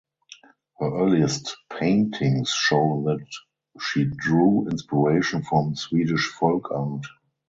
Her earliest paintings show that she drew inspiration from Swedish folk art.